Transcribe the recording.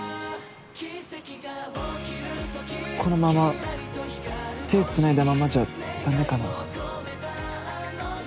このまま手つないだままじゃダメかな？